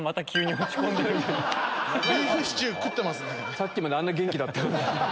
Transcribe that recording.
さっきまであんな元気だったのに。